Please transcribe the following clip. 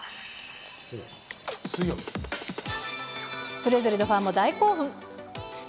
それぞれのファンも大興奮。